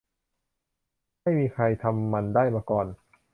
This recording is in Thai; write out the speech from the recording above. ไม่มีใครทำมันได้มาก่อน